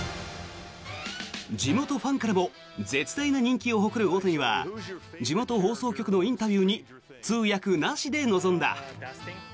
地元ファンからも絶大な人気を誇る大谷は地元放送局のインタビューに通訳なしで臨んだ。